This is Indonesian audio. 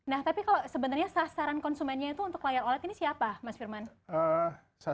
nah tapi kalau sebenarnya sasaran konsumennya itu untuk layar oled ini siapa mas firman